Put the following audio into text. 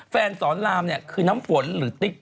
สอนรามเนี่ยคือน้ำฝนหรือติ๊ก